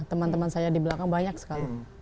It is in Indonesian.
teman teman saya di belakang banyak sekali